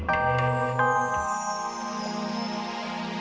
hamba mohon diri